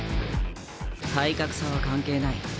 体格差は関係ない。